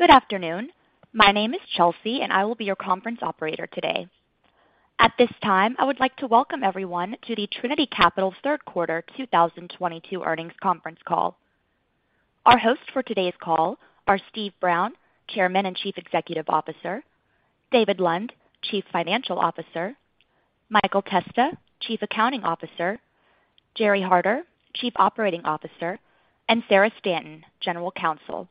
Good afternoon. My name is Chelsea, and I will be your conference operator today. At this time, I would like to welcome everyone to the Trinity Capital third quarter 2022 earnings conference call. Our hosts for today's call are Steve Brown, Chairman and Chief Executive Officer. David Lund, Chief Financial Officer. Michael Testa, Chief Accounting Officer. Gerry Harder, Chief Operating Officer, and Sarah Stanton, General Counsel.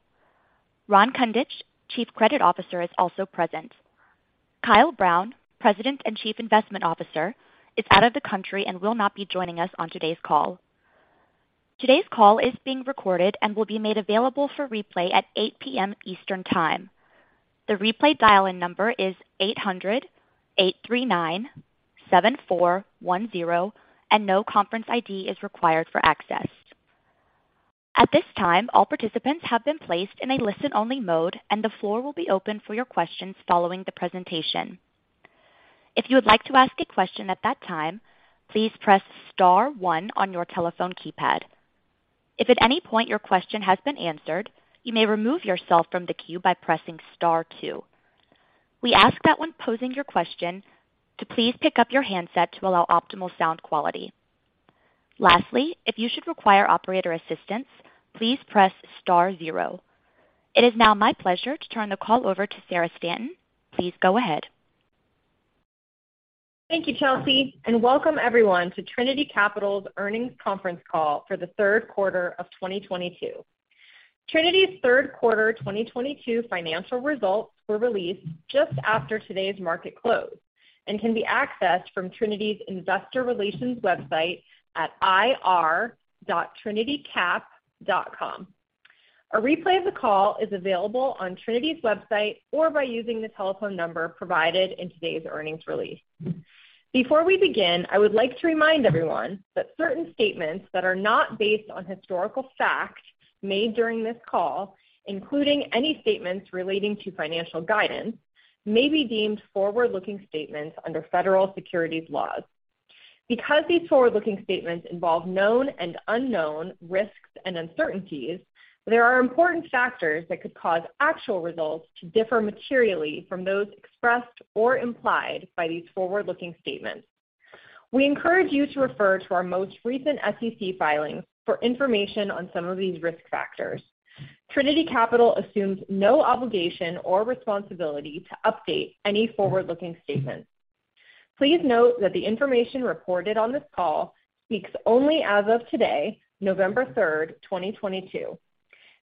Ron Kundich, Chief Credit Officer, is also present. Kyle Brown, President and Chief Investment Officer, is out of the country and will not be joining us on today's call. Today's call is being recorded and will be made available for replay at 8 P.M. Eastern Time. The replay dial-in number is 800-839-7410, and no conference ID is required for access. At this time, all participants have been placed in a listen-only mode, and the floor will be open for your questions following the presentation. If you would like to ask a question at that time, please press star one on your telephone keypad. If at any point your question has been answered, you may remove yourself from the queue by pressing star two. We ask that when posing your question to please pick up your handset to allow optimal sound quality. Lastly, if you should require operator assistance, please press star zero. It is now my pleasure to turn the call over to Sarah Stanton. Please go ahead. Thank you, Chelsea, and welcome everyone to Trinity Capital's earnings conference call for the third quarter of 2022. Trinity's third quarter 2022 financial results were released just after today's market close and can be accessed from Trinity's investor relations website at ir.trinitycap.com. A replay of the call is available on Trinity's website or by using the telephone number provided in today's earnings release. Before we begin, I would like to remind everyone that certain statements that are not based on historical facts made during this call, including any statements relating to financial guidance, may be deemed forward-looking statements under federal securities laws. Because these forward-looking statements involve known and unknown risks and uncertainties, there are important factors that could cause actual results to differ materially from those expressed or implied by these forward-looking statements. We encourage you to refer to our most recent SEC filings for information on some of these risk factors. Trinity Capital assumes no obligation or responsibility to update any forward-looking statements. Please note that the information reported on this call speaks only as of today, November third, twenty twenty-two.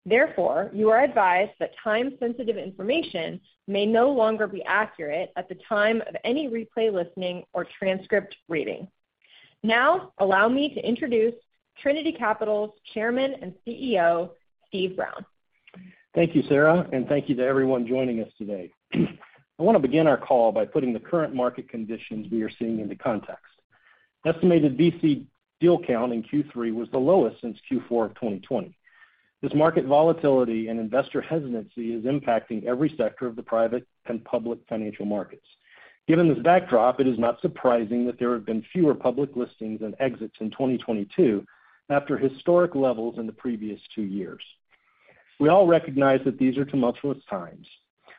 Therefore, you are advised that time-sensitive information may no longer be accurate at the time of any replay listening or transcript reading. Now, allow me to introduce Trinity Capital's Chairman and CEO, Steve Brown. Thank you, Sarah, and thank you to everyone joining us today. I want to begin our call by putting the current market conditions we are seeing into context. Estimated VC deal count in Q3 was the lowest since Q4 of 2020. This market volatility and investor hesitancy is impacting every sector of the private and public financial markets. Given this backdrop, it is not surprising that there have been fewer public listings and exits in 2022 after historic levels in the previous two years. We all recognize that these are tumultuous times,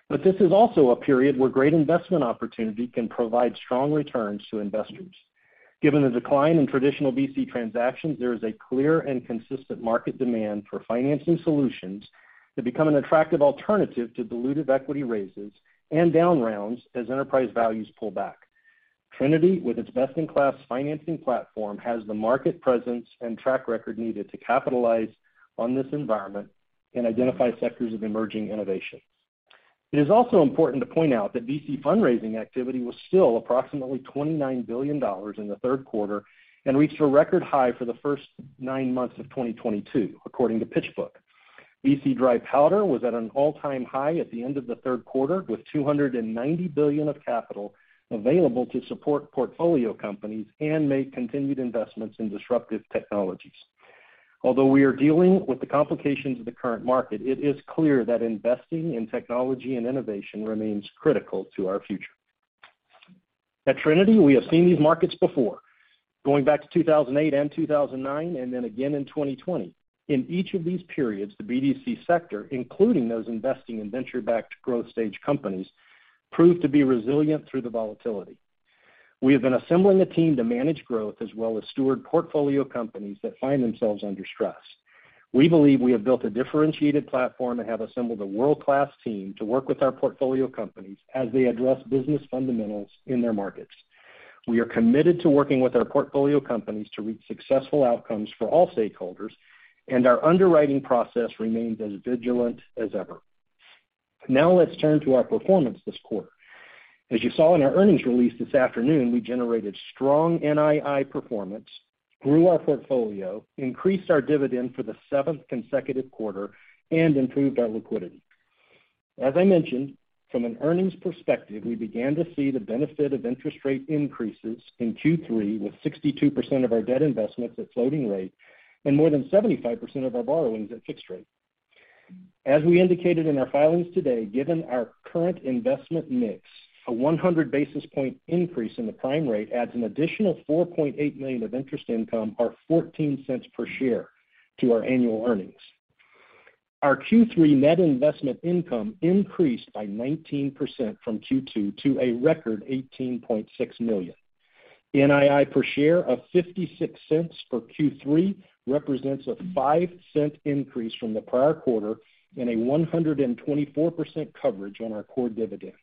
but this is also a period where great investment opportunity can provide strong returns to investors. Given the decline in traditional VC transactions, there is a clear and consistent market demand for financing solutions to become an attractive alternative to dilutive equity raises and down rounds as enterprise values pull back. Trinity, with its best-in-class financing platform, has the market presence and track record needed to capitalize on this environment and identify sectors of emerging innovation. It is also important to point out that VC fundraising activity was still approximately $29 billion in the third quarter and reached a record high for the first nine months of 2022, according to PitchBook. VC dry powder was at an all-time high at the end of the third quarter, with $290 billion of capital available to support portfolio companies and make continued investments in disruptive technologies. Although we are dealing with the complications of the current market, it is clear that investing in technology and innovation remains critical to our future. At Trinity, we have seen these markets before, going back to 2008 and 2009 and then again in 2020. In each of these periods, the BDC sector, including those investing in venture-backed growth stage companies, proved to be resilient through the volatility. We have been assembling the team to manage growth as well as steward portfolio companies that find themselves under stress. We believe we have built a differentiated platform and have assembled a world-class team to work with our portfolio companies as they address business fundamentals in their markets. We are committed to working with our portfolio companies to reach successful outcomes for all stakeholders, and our underwriting process remains as vigilant as ever. Now, let's turn to our performance this quarter. As you saw in our earnings release this afternoon, we generated strong NII performance, grew our portfolio, increased our dividend for the seventh consecutive quarter, and improved our liquidity. As I mentioned, from an earnings perspective, we began to see the benefit of interest rate increases in Q3, with 62% of our debt investments at floating rate and more than 75% of our borrowings at fixed rate. As we indicated in our filings today, given our current investment mix, a 100 basis point increase in the prime rate adds an additional $4.8 million of interest income or $0.14 per share to our annual earnings. Our Q3 net investment income increased by 19% from Q2 to a record $18.6 million. NII per share of $0.56 for Q3 represents a $0.05 increase from the prior quarter and a 124% coverage on our core dividend.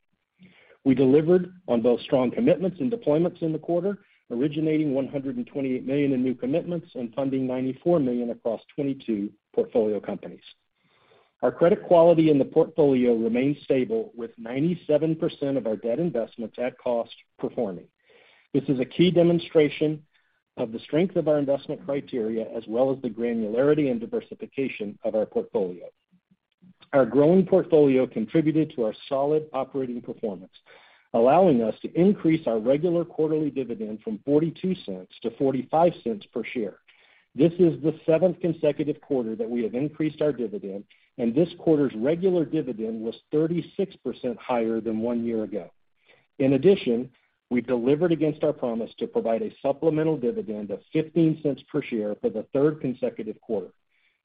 We delivered on both strong commitments and deployments in the quarter, originating $128 million in new commitments and funding $94 million across 22 portfolio companies. Our credit quality in the portfolio remains stable, with 97% of our debt investments at cost performing. This is a key demonstration of the strength of our investment criteria, as well as the granularity and diversification of our portfolio. Our growing portfolio contributed to our solid operating performance, allowing us to increase our regular quarterly dividend from $0.42 to $0.45 per share. This is the seventh consecutive quarter that we have increased our dividend, and this quarter's regular dividend was 36% higher than one year ago. In addition, we delivered against our promise to provide a supplemental dividend of $0.15 per share for the third consecutive quarter.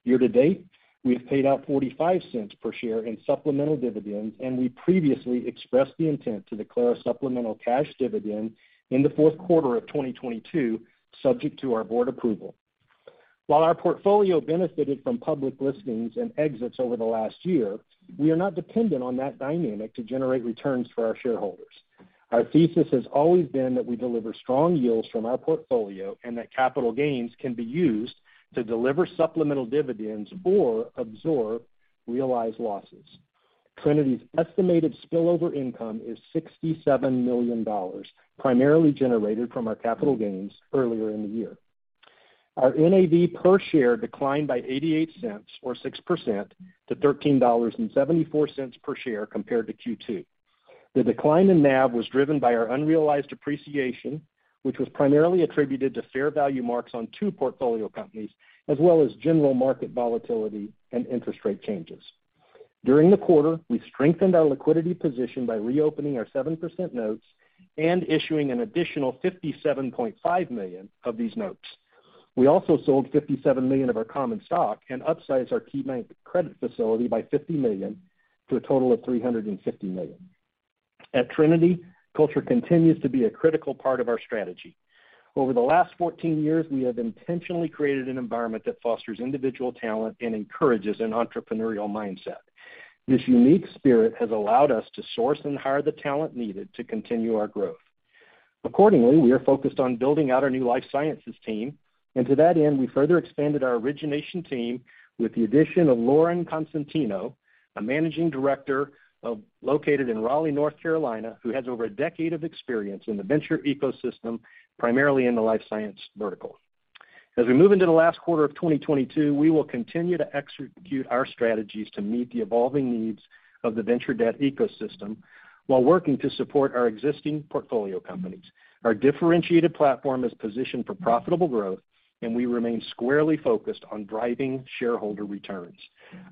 Year-to-date, we have paid out $0.45 per share in supplemental dividends, and we previously expressed the intent to declare a supplemental cash dividend in the fourth quarter of 2022, subject to our board approval. While our portfolio benefited from public listings and exits over the last year, we are not dependent on that dynamic to generate returns for our shareholders. Our thesis has always been that we deliver strong yields from our portfolio and that capital gains can be used to deliver supplemental dividends or absorb realized losses. Trinity's estimated spillover income is $67 million, primarily generated from our capital gains earlier in the year. Our NAV per share declined by $0.88, or 6%, to $13.74 per share compared to Q2. The decline in NAV was driven by our unrealized appreciation, which was primarily attributed to fair value marks on two portfolio companies, as well as general market volatility and interest rate changes. During the quarter, we strengthened our liquidity position by reopening our 7% notes and issuing an additional $57.5 million of these notes. We also sold $57 million of our common stock and upsized our KeyBank credit facility by $50 million to a total of $350 million. At Trinity, culture continues to be a critical part of our strategy. Over the last 14 years, we have intentionally created an environment that fosters individual talent and encourages an entrepreneurial mindset. This unique spirit has allowed us to source and hire the talent needed to continue our growth. Accordingly, we are focused on building out our new life sciences team. To that end, we further expanded our origination team with the addition of Lauren Constantino, a managing director located in Raleigh, North Carolina, who has over a decade of experience in the venture ecosystem, primarily in the life sciences vertical. As we move into the last quarter of 2022, we will continue to execute our strategies to meet the evolving needs of the venture debt ecosystem while working to support our existing portfolio companies. Our differentiated platform is positioned for profitable growth, and we remain squarely focused on driving shareholder returns.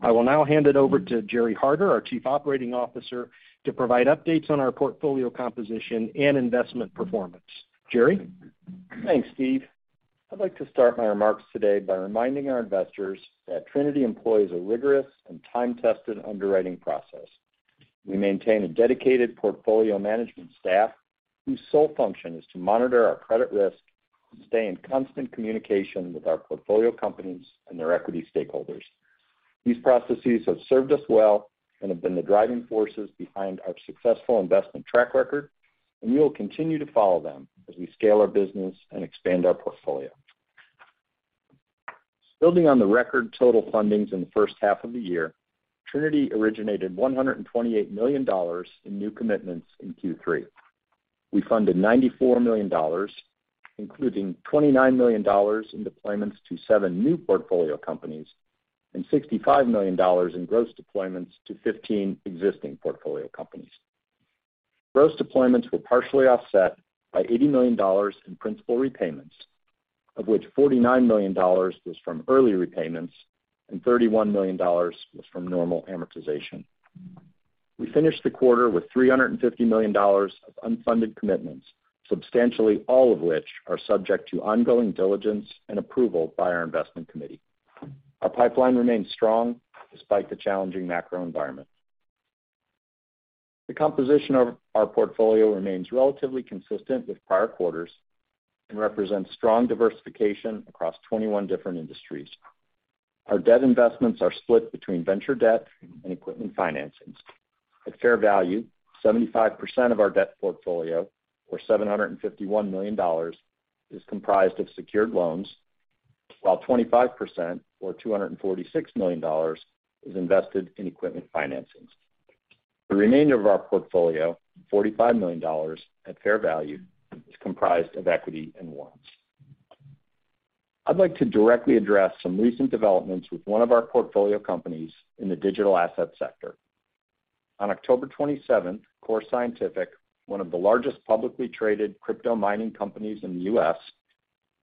I will now hand it over to Gerry Harder, our Chief Operating Officer, to provide updates on our portfolio composition and investment performance. Gerry? Thanks, Steve. I'd like to start my remarks today by reminding our investors that Trinity employs a rigorous and time-tested underwriting process. We maintain a dedicated portfolio management staff whose sole function is to monitor our credit risk and stay in constant communication with our portfolio companies and their equity stakeholders. These processes have served us well and have been the driving forces behind our successful investment track record, and we will continue to follow them as we scale our business and expand our portfolio. Building on the record total fundings in the first half of the year, Trinity originated $128 million in new commitments in Q3. We funded $94 million, including $29 million in deployments to seven new portfolio companies and $65 million in gross deployments to 15 existing portfolio companies. Gross deployments were partially offset by $80 million in principal repayments, of which $49 million was from early repayments and $31 million was from normal amortization. We finished the quarter with $350 million of unfunded commitments, substantially all of which are subject to ongoing diligence and approval by our investment committee. Our pipeline remains strong despite the challenging macro environment. The composition of our portfolio remains relatively consistent with prior quarters and represents strong diversification across 21 different industries. Our debt investments are split between venture debt and equipment financings. At fair value, 75% of our debt portfolio, or $751 million, is comprised of secured loans, while 25%, or $246 million, is invested in equipment financings. The remainder of our portfolio, $45 million at fair value, is comprised of equity and warrants. I'd like to directly address some recent developments with one of our portfolio companies in the digital asset sector. On October 27th, Core Scientific, one of the largest publicly traded crypto mining companies in the U.S.,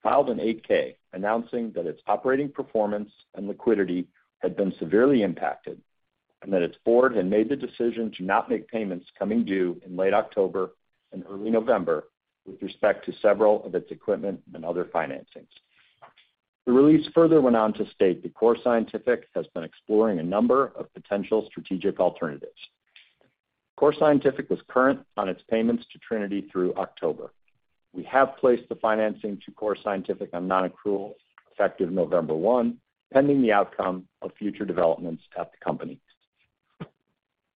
filed an 8-K announcing that its operating performance and liquidity had been severely impacted, and that its board had made the decision to not make payments coming due in late October and early November with respect to several of its equipment and other financings. The release further went on to state that Core Scientific has been exploring a number of potential strategic alternatives. Core Scientific was current on its payments to Trinity through October. We have placed the financing to Core Scientific on non-accrual effective November one, pending the outcome of future developments at the company.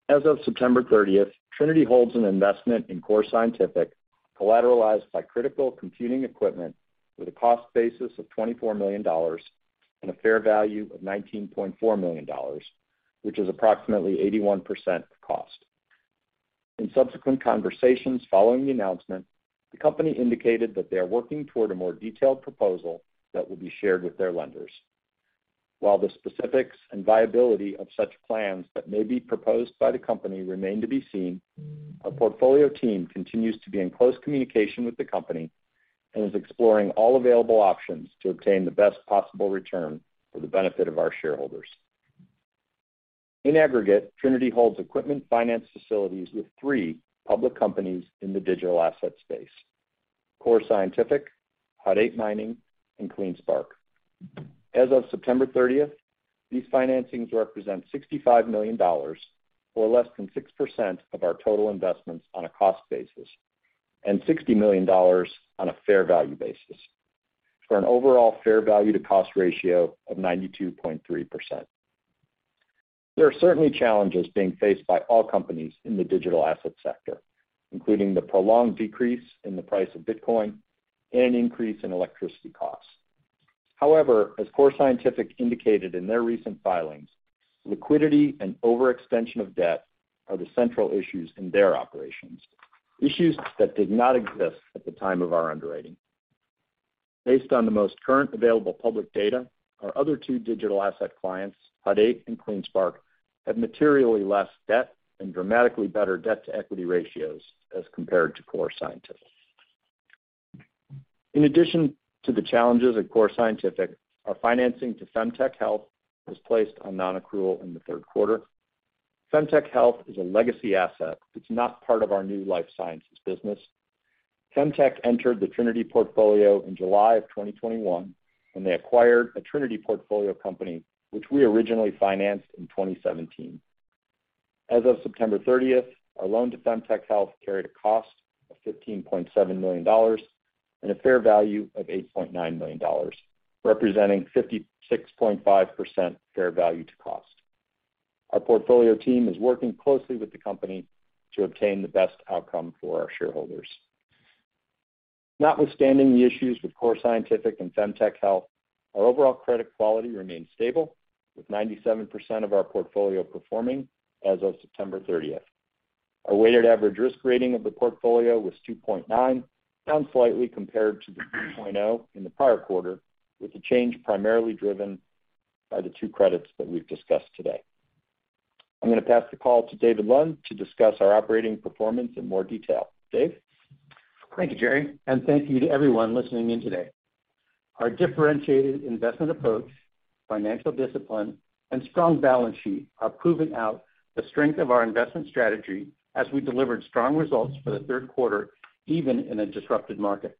As of September 30th, Trinity holds an investment in Core Scientific collateralized by critical computing equipment with a cost basis of $24 million and a fair value of $19.4 million, which is approximately 81% cost. In subsequent conversations following the announcement, the company indicated that they are working toward a more detailed proposal that will be shared with their lenders. While the specifics and viability of such plans that may be proposed by the company remain to be seen, our portfolio team continues to be in close communication with the company and is exploring all available options to obtain the best possible return for the benefit of our shareholders. In aggregate, Trinity holds equipment finance facilities with three public companies in the digital asset space, Core Scientific, Hut 8 Mining, and CleanSpark. As of September 30th, these financings represent $65 million, or less than 6% of our total investments on a cost basis, and $60 million on a fair value basis, for an overall fair value to cost ratio of 92.3%. There are certainly challenges being faced by all companies in the digital asset sector, including the prolonged decrease in the price of Bitcoin and an increase in electricity costs. However, as Core Scientific indicated in their recent filings, liquidity and overextension of debt are the central issues in their operations, issues that did not exist at the time of our underwriting. Based on the most current available public data, our other two digital asset clients, Hut 8 and CleanSpark, have materially less debt and dramatically better debt-to-equity ratios as compared to Core Scientific. In addition to the challenges at Core Scientific, our financing to FemTec Health was placed on non-accrual in the third quarter. FemTec Health is a legacy asset that's not part of our new life sciences business. FemTec entered the Trinity portfolio in July 2021, when they acquired a Trinity portfolio company, which we originally financed in 2017. As of September 30th, our loan to FemTec Health carried a cost of $15.7 million and a fair value of $8.9 million, representing 56.5% fair value to cost. Our portfolio team is working closely with the company to obtain the best outcome for our shareholders. Notwithstanding the issues with Core Scientific and FemTec Health, our overall credit quality remains stable, with 97% of our portfolio performing as of September 30th. Our weighted average risk rating of the portfolio was 2.9, down slightly compared to the 2.9 in the prior quarter, with the change primarily driven by the two credits that we've discussed today. I'm gonna pass the call to David Lund to discuss our operating performance in more detail. Dave? Thank you, Gerry, and thank you to everyone listening in today. Our differentiated investment approach, financial discipline, and strong balance sheet are proving out the strength of our investment strategy as we delivered strong results for the third quarter, even in a disrupted market.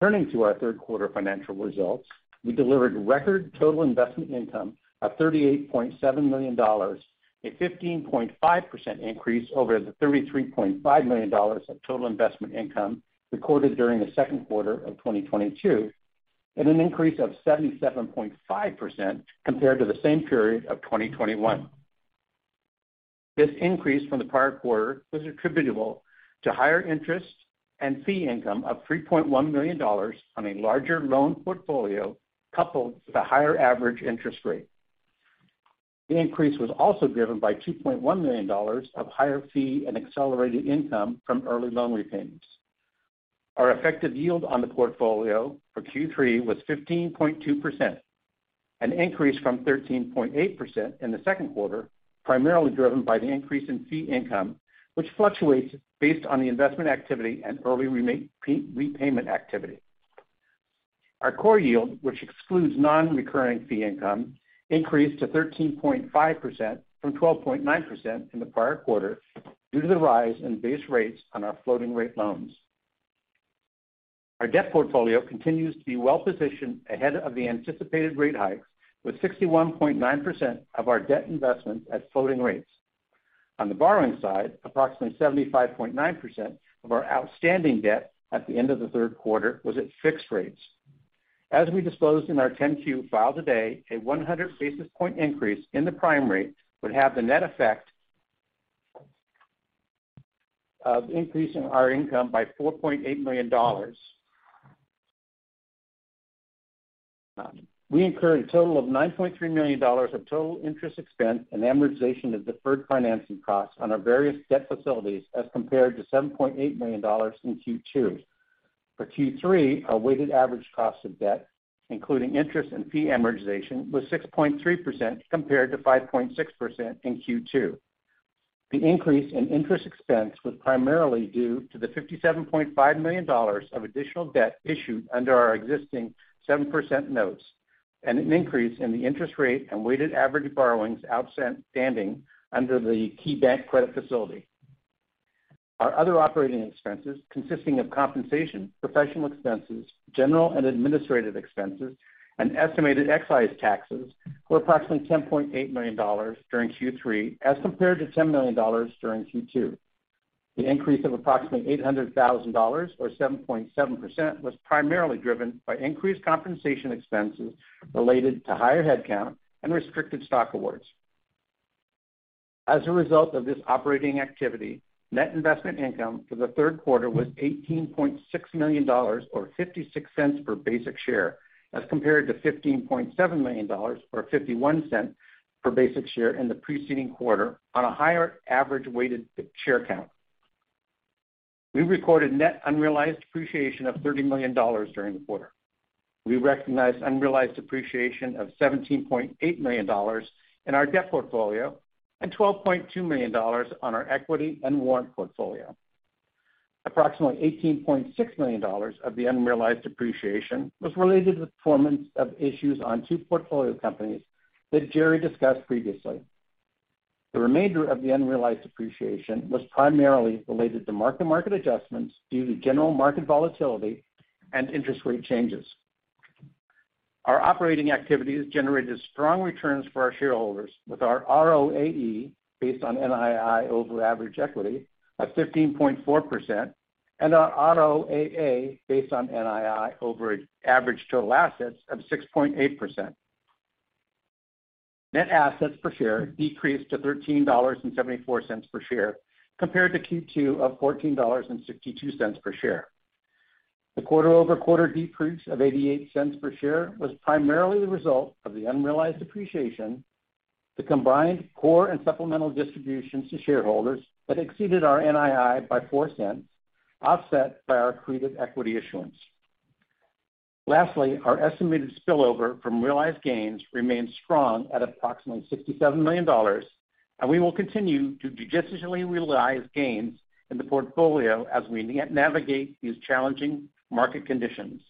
Turning to our third quarter financial results, we delivered record total investment income of $38.7 million, a 15.5% increase over the $33.5 million of total investment income recorded during the second quarter of 2022, and an increase of 77.5% compared to the same period of 2021. This increase from the prior quarter was attributable to higher interest and fee income of $3.1 million on a larger loan portfolio, coupled with a higher average interest rate. The increase was also driven by $2.1 million of higher fee and accelerated income from early loan repayments. Our effective yield on the portfolio for Q3 was 15.2%, an increase from 13.8% in the second quarter, primarily driven by the increase in fee income, which fluctuates based on the investment activity and early repayment activity. Our core yield, which excludes non-recurring fee income, increased to 13.5% from 12.9% in the prior quarter due to the rise in base rates on our floating rate loans. Our debt portfolio continues to be well-positioned ahead of the anticipated rate hikes, with 61.9% of our debt investments at floating rates. On the borrowing side, approximately 75.9% of our outstanding debt at the end of the third quarter was at fixed rates. As we disclosed in our 10-Q filed today, a 100 basis point increase in the prime rate would have the net effect of increasing our income by $4.8 million. We incurred a total of $9.3 million of total interest expense and amortization of deferred financing costs on our various debt facilities as compared to $7.8 million in Q2. For Q3, our weighted average cost of debt, including interest and fee amortization, was 6.3% compared to 5.6% in Q2. The increase in interest expense was primarily due to the $57.5 million of additional debt issued under our existing 7% notes, and an increase in the interest rate and weighted average borrowings outstanding under the KeyBank credit facility. Our other operating expenses consisting of compensation, professional expenses, general and administrative expenses, and estimated excise taxes were approximately $10.8 million during Q3 as compared to $10 million during Q2. The increase of approximately $800,000 or 7.7% was primarily driven by increased compensation expenses related to higher headcount and restricted stock awards. As a result of this operating activity, net investment income for the third quarter was $18.6 million or $0.56 per basic share, as compared to $15.7 million or $0.51 per basic share in the preceding quarter on a higher average weighted share count. We recorded net unrealized appreciation of $30 million during the quarter. We recognized unrealized appreciation of $17.8 million in our debt portfolio and $12.2 million on our equity and warrant portfolio. Approximately $18.6 million of the unrealized appreciation was related to the performance of issues on two portfolio companies that Gerry discussed previously. The remainder of the unrealized appreciation was primarily related to mark-to-market adjustments due to general market volatility and interest rate changes. Our operating activities generated strong returns for our shareholders with our ROAE based on NII over average equity of 15.4% and our ROAA based on NII over average total assets of 6.8%. Net assets per share decreased to $13.74 per share compared to Q2 of $14.62 per share. The quarter-over-quarter decrease of $0.88 per share was primarily the result of the unrealized appreciation, the combined core and supplemental distributions to shareholders that exceeded our NII by $0.04, offset by our accretive equity issuance. Lastly, our estimated spillover from realized gains remains strong at approximately $67 million, and we will continue to judiciously realize gains in the portfolio as we navigate these challenging market conditions.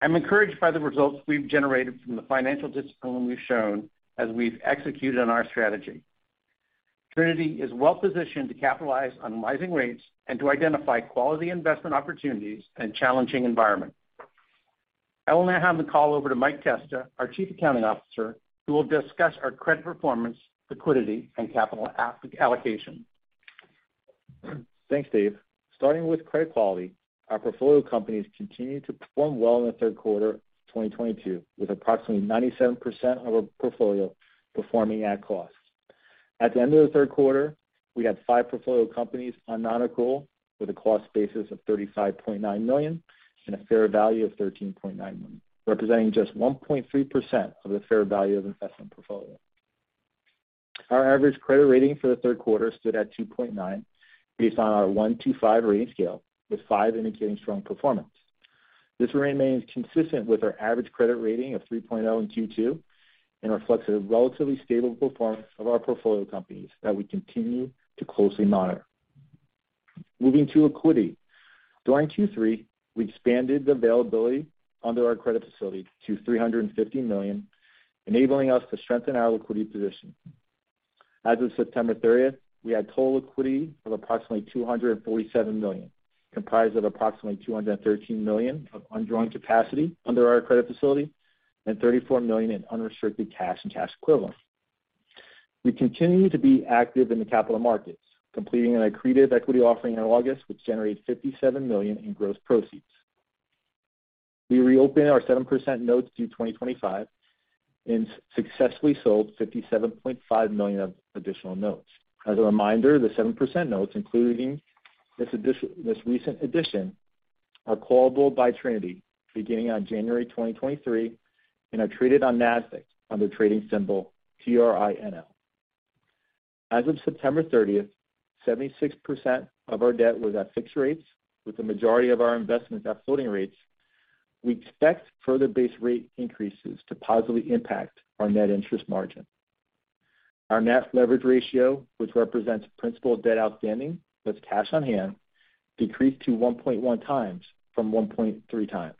I'm encouraged by the results we've generated from the financial discipline we've shown as we've executed on our strategy. Trinity is well-positioned to capitalize on rising rates and to identify quality investment opportunities in a challenging environment. I will now hand the call over to Michael Testa, our Chief Accounting Officer, who will discuss our credit performance, liquidity, and capital allocation. Thanks, Dave. Starting with credit quality, our portfolio companies continued to perform well in the third quarter of 2022, with approximately 97% of our portfolio performing at cost. At the end of the third quarter, we had five portfolio companies on non-accrual with a cost basis of $35.9 million and a fair value of $13.9 million, representing just 1.3% of the fair value of investment portfolio. Our average credit rating for the third quarter stood at 2.9 based on our one to five rating scale, with five indicating strong performance. This remains consistent with our average credit rating of 3.0 in Q2 and reflects the relatively stable performance of our portfolio companies that we continue to closely monitor. Moving to liquidity. During Q3, we expanded the availability under our credit facility to $350 million, enabling us to strengthen our liquidity position. As of September 30th, we had total liquidity of approximately $247 million, comprised of approximately $213 million of undrawn capacity under our credit facility and $34 million in unrestricted cash and cash equivalents. We continue to be active in the capital markets, completing an accretive equity offering in August, which generated $57 million in gross proceeds. We reopened our 7% notes due 2025 and successfully sold $57.5 million of additional notes. As a reminder, the 7% notes, including this recent addition, are callable by Trinity beginning on January 2023 and are traded on Nasdaq under trading symbol TRIN. As of September 30th, 76% of our debt was at fixed rates, with the majority of our investments at floating rates. We expect further base rate increases to positively impact our net interest margin. Our net leverage ratio, which represents principal debt outstanding with cash on hand, decreased to 1.1x from 1.3x.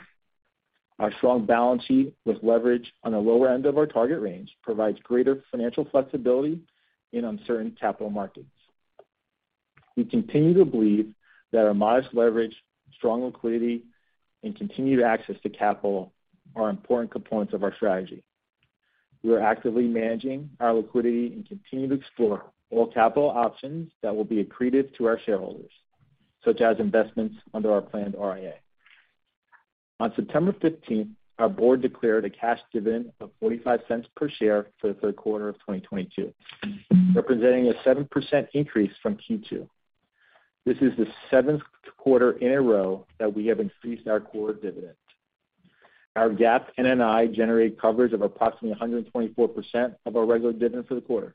Our strong balance sheet with leverage on the lower end of our target range provides greater financial flexibility in uncertain capital markets. We continue to believe that our modest leverage, strong liquidity, and continued access to capital are important components of our strategy. We are actively managing our liquidity and continue to explore all capital options that will be accretive to our shareholders, such as investments under our planned RIA. On September 15th, our board declared a cash dividend of $0.45 per share for the third quarter of 2022, representing a 7% increase from Q2. This is the seventh quarter in a row that we have increased our quarter dividend. Our GAAP NII generated coverage of approximately 124% of our regular dividend for the quarter.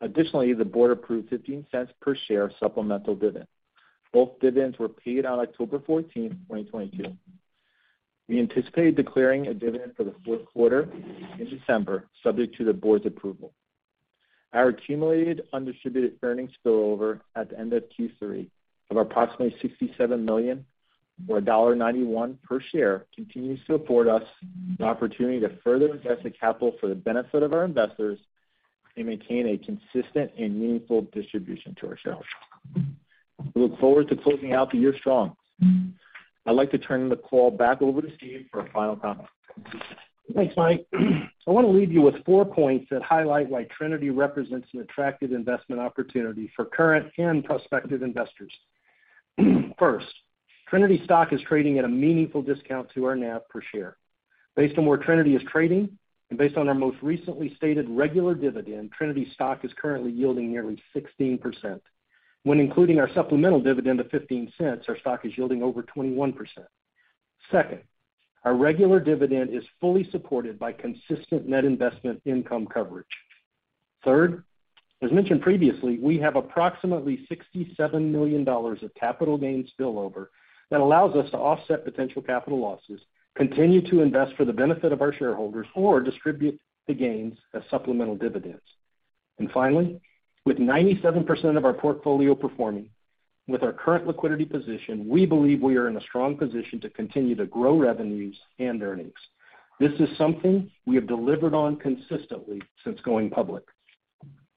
Additionally, the board approved $0.15 per share supplemental dividend. Both dividends were paid on October 14th, 2022. We anticipate declaring a dividend for the fourth quarter in December, subject to the board's approval. Our accumulated undistributed earnings spillover at the end of Q3 of approximately $67 million, or $1.91 per share, continues to afford us the opportunity to further invest the capital for the benefit of our investors and maintain a consistent and meaningful distribution to our shareholders. We look forward to closing out the year strong. I'd like to turn the call back over to Steve for final comments. Thanks, Mike. I wanna leave you with four points that highlight why Trinity represents an attractive investment opportunity for current and prospective investors. First, Trinity stock is trading at a meaningful discount to our NAV per share. Based on where Trinity is trading and based on our most recently stated regular dividend, Trinity stock is currently yielding nearly 16%. When including our supplemental dividend of $0.15, our stock is yielding over 21%. Second, our regular dividend is fully supported by consistent net investment income coverage. Third, as mentioned previously, we have approximately $67 million of capital gains spillover that allows us to offset potential capital losses, continue to invest for the benefit of our shareholders, or distribute the gains as supplemental dividends. Finally, with 97% of our portfolio performing, with our current liquidity position, we believe we are in a strong position to continue to grow revenues and earnings. This is something we have delivered on consistently since going public.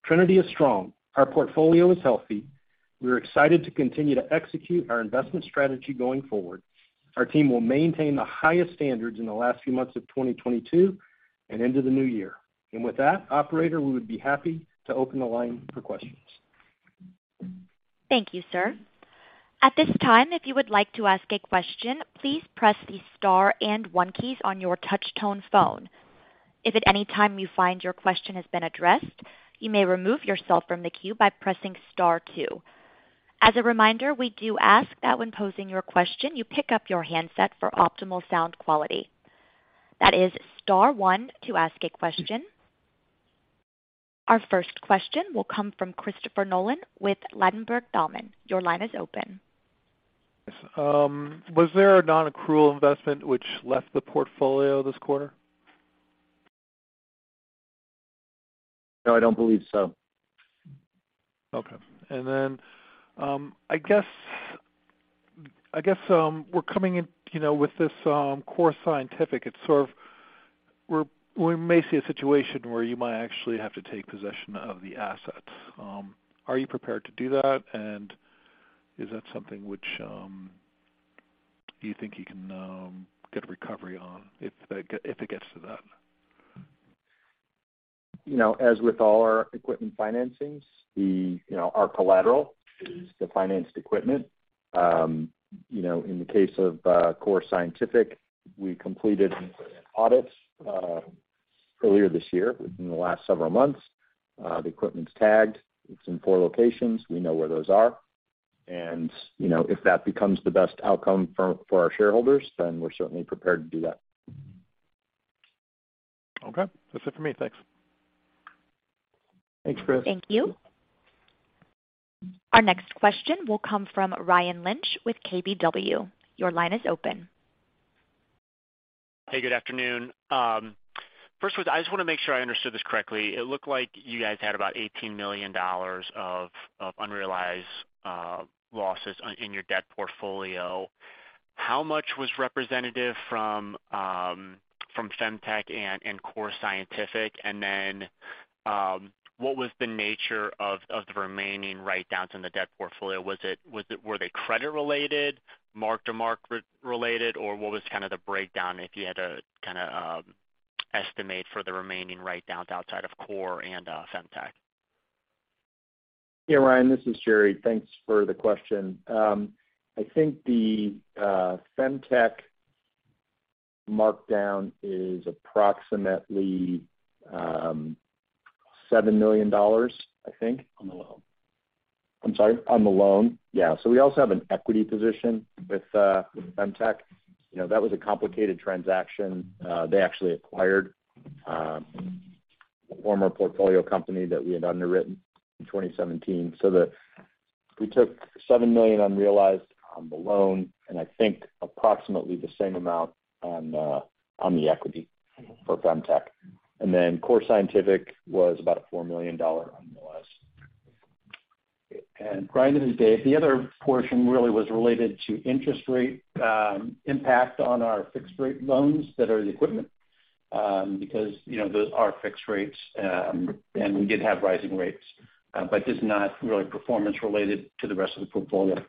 Trinity is strong. Our portfolio is healthy. We're excited to continue to execute our investment strategy going forward. Our team will maintain the highest standards in the last few months of 2022 and into the new year. With that, operator, we would be happy to open the line for questions. Thank you, sir. At this time, if you would like to ask a question, please press the star and one keys on your touch tone phone. If at any time you find your question has been addressed, you may remove yourself from the queue by pressing star two. As a reminder, we do ask that when posing your question, you pick up your handset for optimal sound quality. That is star one to ask a question. Our first question will come from Christopher Nolan with Ladenburg Thalmann. Your line is open. Was there a non-accrual investment which left the portfolio this quarter? No, I don't believe so. Okay. I guess we're coming in, you know, with this Core Scientific. We may see a situation where you might actually have to take possession of the assets. Are you prepared to do that? Is that something which you think you can get a recovery on if it gets to that? You know, as with all our equipment financings, you know, our collateral is the financed equipment. You know, in the case of Core Scientific, we completed audits earlier this year, within the last several months. The equipment's tagged. It's in four locations. We know where those are. You know, if that becomes the best outcome for our shareholders, then we're certainly prepared to do that. Okay. That's it for me. Thanks. Thanks, Chris. Thank you. Our next question will come from Ryan Lynch with KBW. Your line is open. Hey, good afternoon. I just want to make sure I understood this correctly. It looked like you guys had about $18 million of unrealized losses on your debt portfolio. How much was from FemTec and Core Scientific? Then, what was the nature of the remaining write-downs in the debt portfolio? Were they credit related, mark-to-market related, or what was kinda the breakdown, if you had to kinda estimate for the remaining write-downs outside of Core and FemTec? Yeah, Ryan, this is Gerry. Thanks for the question. I think the FemTec markdown is approximately $7 million, I think. On the loan. I'm sorry? On the loan. Yeah. We also have an equity position with FemTec. You know, that was a complicated transaction. They actually acquired the former portfolio company that we had underwritten in 2017. We took $7 million unrealized on the loan, and I think approximately the same amount on the equity for FemTec. Then Core Scientific was about a $4 million unrealized. Ryan, this is Dave. The other portion really was related to interest rate impact on our fixed rate loans that are the equipment, because, you know, those are fixed rates, and we did have rising rates. It's not really performance related to the rest of the portfolio.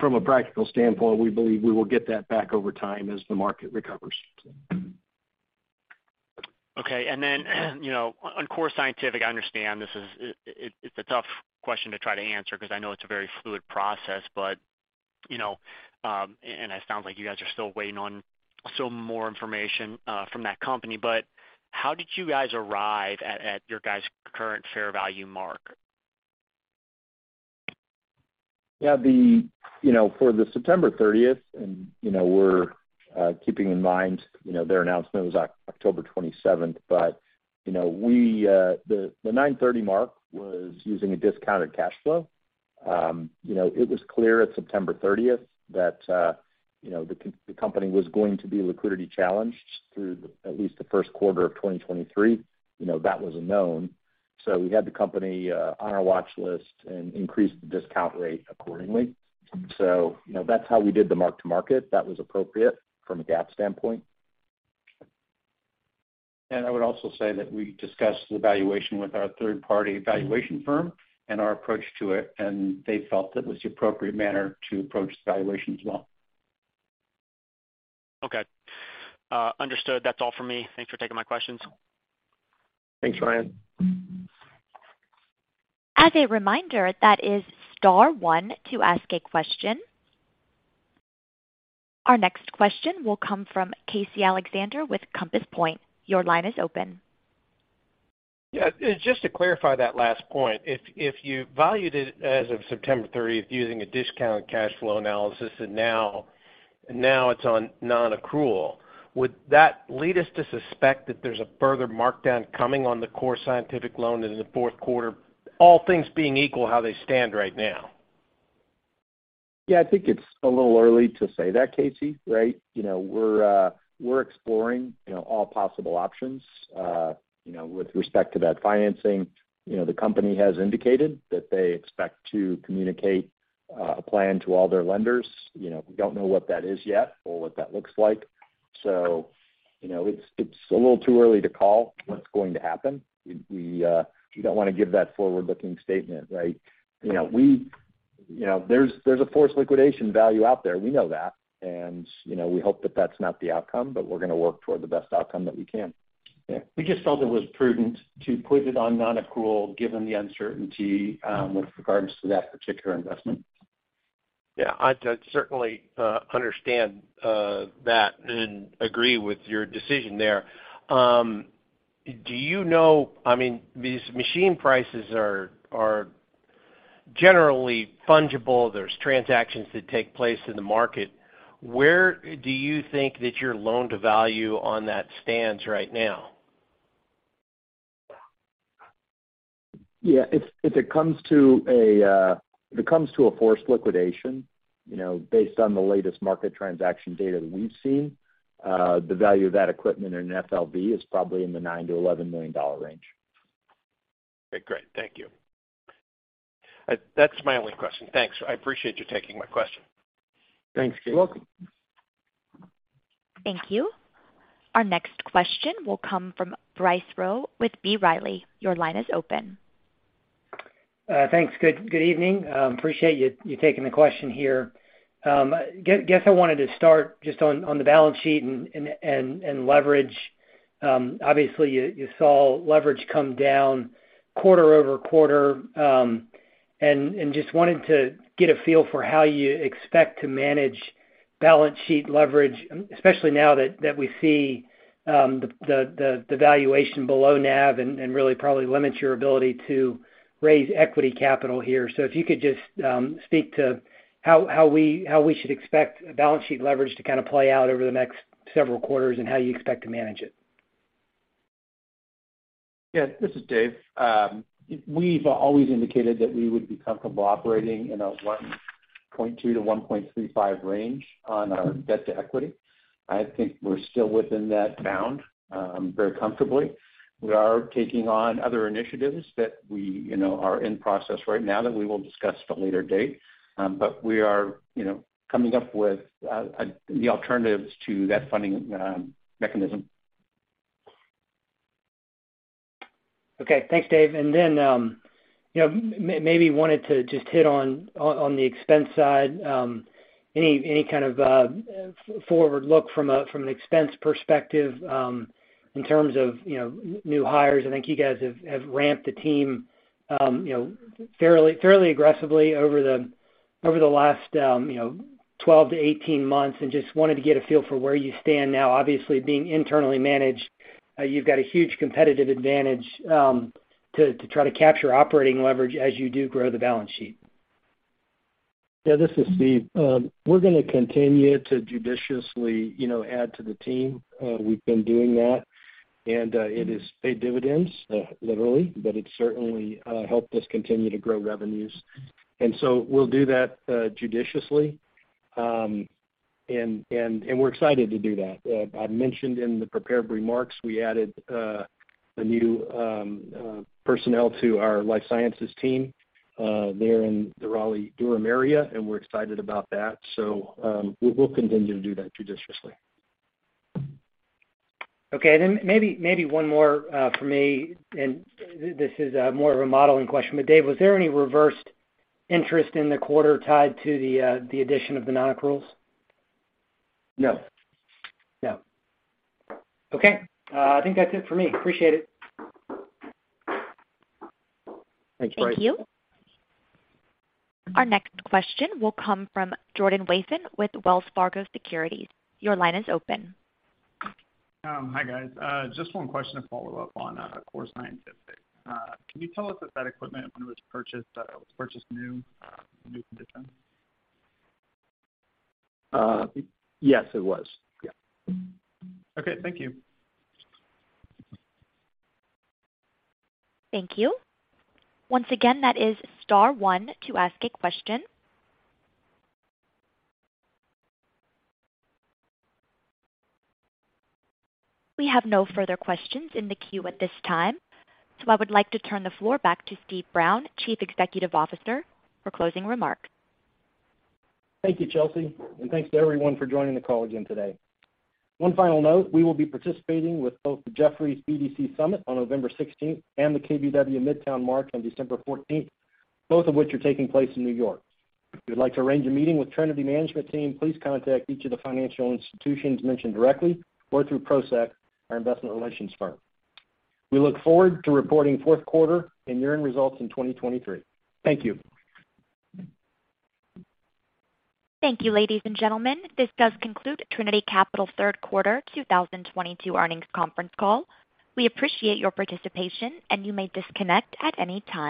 From a practical standpoint, we believe we will get that back over time as the market recovers. Okay. You know, on Core Scientific, I understand this is a tough question to try to answer 'cause I know it's a very fluid process. You know, it sounds like you guys are still waiting on some more information from that company, but how did you guys arrive at your guys' current fair value mark? Yeah. You know, for the September 30th, you know, we're keeping in mind you know, their announcement was October 27th. You know, the 9/30 mark was using a discounted cash flow. You know, it was clear at September 30th that you know, the company was going to be liquidity challenged through at least the first quarter of 2023. You know, that was a known. We had the company on our watch list and increased the discount rate accordingly. You know, that's how we did the mark-to-market. That was appropriate from a GAAP standpoint. I would also say that we discussed the valuation with our third-party valuation firm and our approach to it, and they felt that was the appropriate manner to approach the valuation as well. Okay, understood. That's all for me. Thanks for taking my questions. Thanks, Ryan. As a reminder, that is star one to ask a question. Our next question will come from Casey Alexander with Compass Point. Your line is open. Yeah, just to clarify that last point. If you valued it as of September 30th using a discounted cash flow analysis and now it's on non-accrual, would that lead us to suspect that there's a further markdown coming on the Core Scientific loan in the fourth quarter, all things being equal, how they stand right now? Yeah, I think it's a little early to say that, Casey, right? You know, we're exploring, you know, all possible options. You know, with respect to that financing, you know, the company has indicated that they expect to communicate a plan to all their lenders. You know, we don't know what that is yet or what that looks like. You know, it's a little too early to call what's going to happen. We don't wanna give that forward-looking statement, right? You know, there's a forced liquidation value out there, we know that. You know, we hope that that's not the outcome, but we're gonna work toward the best outcome that we can. Yeah. We just felt it was prudent to put it on non-accrual given the uncertainty with regards to that particular investment. Yeah, I'd certainly understand that and agree with your decision there. I mean, these machine prices are generally fungible. There's transactions that take place in the market. Where do you think that your loan to value on that stands right now? Yeah. If it comes to a forced liquidation, you know, based on the latest market transaction data that we've seen, the value of that equipment in an FLV is probably in the $9 million-$11 million range. Okay, great. Thank you. That's my only question. Thanks. I appreciate you taking my question. Thanks, Casey. You're welcome. Thank you. Our next question will come from Bryce Rowe with B. Riley. Your line is open. Thanks. Good evening. Appreciate you taking the question here. Guess I wanted to start just on the balance sheet and leverage. Obviously you saw leverage come down quarter-over-quarter, and just wanted to get a feel for how you expect to manage balance sheet leverage, especially now that we see the valuation below NAV and really probably limits your ability to raise equity capital here. If you could just speak to how we should expect balance sheet leverage to kind of play out over the next several quarters and how you expect to manage it. Yes, this is David. We've always indicated that we would be comfortable operating in a 1.2-1.35 range on our debt-to-equity. I think we're still within that bound, very comfortably. We are taking on other initiatives that we, you know, are in process right now that we will discuss at a later date. We are, you know, coming up with the alternatives to that funding mechanism. Okay. Thanks, Dave. You know, maybe wanted to just hit on the expense side. Any kind of forward look from an expense perspective in terms of, you know, new hires? I think you guys have ramped the team, you know, fairly aggressively over the last 12 to 18 months, and just wanted to get a feel for where you stand now. Obviously, being internally managed, you've got a huge competitive advantage to try to capture operating leverage as you do grow the balance sheet. Yeah, this is Steve. We're gonna continue to judiciously, you know, add to the team. We've been doing that, and it has paid dividends, literally, but it's certainly helped us continue to grow revenues. We'll do that judiciously. We're excited to do that. I mentioned in the prepared remarks we added a new personnel to our life sciences team there in the Raleigh-Durham area, and we're excited about that. We will continue to do that judiciously. Maybe one more from me, and this is more of a modeling question. David, was there any reversed interest in the quarter tied to the addition of the non-accruals? No. No. Okay. I think that's it for me. Appreciate it. Thanks, Bryce. Thank you. Our next question will come from Jordan Wasson with Wells Fargo Securities. Your line is open. Hi, guys. Just one question to follow up on Core Scientific. Can you tell us if that equipment when it was purchased was purchased new in new condition? Yes, it was. Yeah. Okay, thank you. Thank you. Once again, that is star one to ask a question. We have no further questions in the queue at this time, so I would like to turn the floor back to Steve Brown, Chief Executive Officer, for closing remarks. Thank you, Chelsea, and thanks to everyone for joining the call again today. One final note, we will be participating with both the Jefferies BDC Summit on November 16th and the KBW Midtown March on December 14th, both of which are taking place in New York. If you'd like to arrange a meeting with Trinity management team, please contact each of the financial institutions mentioned directly or through Prosek, our investment relations firm. We look forward to reporting fourth quarter and year-end results in 2023. Thank you. Thank you, ladies and gentlemen. This does conclude Trinity Capital third quarter 2022 earnings conference call. We appreciate your participation, and you may disconnect at any time.